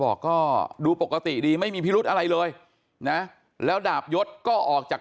บอกก็ดูปกติดีไม่มีพิรุธอะไรเลยนะแล้วดาบยศก็ออกจาก